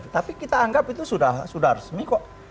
tapi kita anggap itu sudah resmi kok